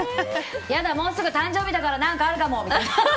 やだ、もうすぐ誕生日だから何かあるかも！みたいな。